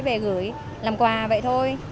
về gửi làm quà vậy thôi